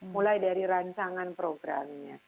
mulai dari rancangan programnya